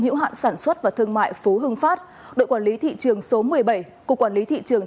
hữu hạn sản xuất và thương mại phú hưng phát đội quản lý thị trường số một mươi bảy cục quản lý thị trường